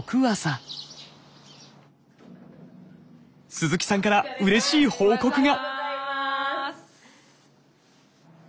鈴木さんからうれしい報告が。